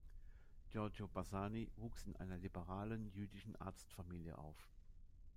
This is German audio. Giorgio Bassani wuchs in einer liberalen jüdischen Arztfamilie auf.